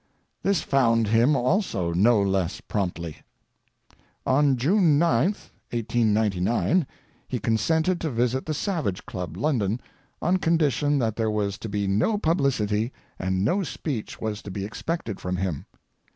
This found him also no less promptly. On June 9, 1899, he consented to visit the Savage Club, London, on condition that there was to be no publicity and no speech was to be expected from him.